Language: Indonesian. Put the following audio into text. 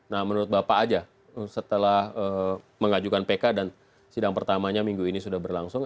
nah menurut bapak aja setelah mengajukan pk dan sidang pertamanya minggu ini sudah berlangsung